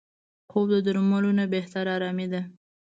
خوب د درملو نه بهتره آرامي ده